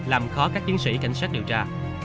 làm khó các chiến sĩ cảnh sát điều tra